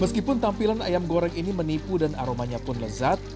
meskipun tampilan ayam goreng ini menipu dan aromanya pun lezat